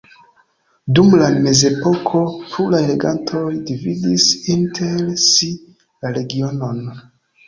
Dum la mezepoko pluraj regantoj dividis inter si la regionon.